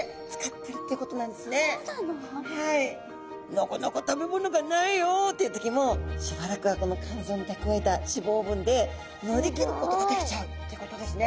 なかなか食べ物がないよ！っていう時もしばらくはこの肝臓に蓄えた脂肪分で乗り切ることができちゃうってことですね。